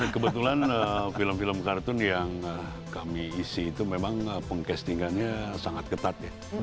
kebetulan film film kartun yang kami isi itu memang peng castingannya sangat ketat ya